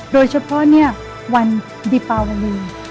โดยเฉพาะวันดิปาวรี